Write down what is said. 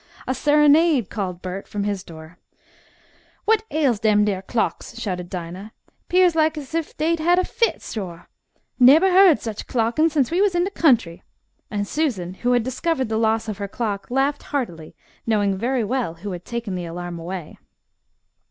"A serenade," called Bert, from his door. "What ails dem der clocks?" shouted Dinah. "'Pears like as if dey had a fit, suah. Nebber heard such clockin' since we was in de country," and Susan, who had discovered the loss of her clock, laughed heartily, knowing very well who had taken the alarm away.